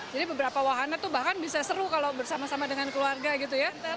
jadi beberapa wahana itu bahkan bisa seru kalau bersama sama dengan keluarga gitu ya